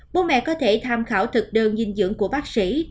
bố mẹ có thể tham khảo thực đơn dinh dưỡng của bác sĩ